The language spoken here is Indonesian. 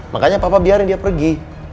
makanya papa biarin dia pergi